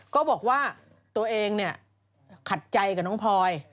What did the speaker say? ก็บอกว่าตัวเองเนี่ยขัดใจกับน้องพลอย